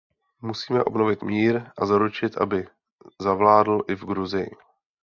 Musíme obnovit mír a zaručit, aby zavládl i v Gruzii.